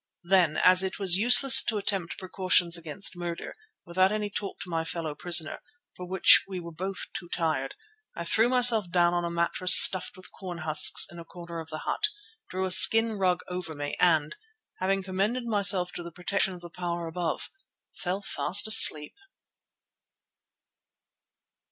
Then, as it was useless to attempt precautions against murder, without any talk to my fellow prisoner, for which we were both too tired, I threw myself down on a mattress stuffed with corn husks in a corner of the hut, drew a skin rug over me and, having commended myself to the protection of the Power above, fell fast asleep.